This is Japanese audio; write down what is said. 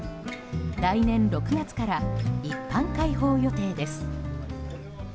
来年６月から一般開放予定です。